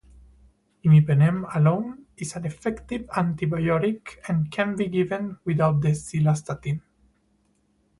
Imipenem alone is an effective antibiotic and can be given without the cilastatin.